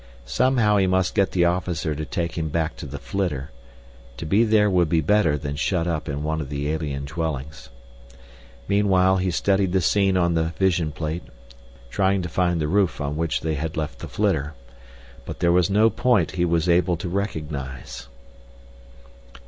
Somehow he must get the officer to take him back to the flitter to be there would be better than shut up in one of the alien dwellings. Meanwhile he studied the scene on the visa plate, trying to find the roof on which they had left the flitter. But there was no point he was able to recognize.